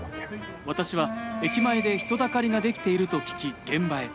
私は駅前で人だかりができていると聞き、現場へ。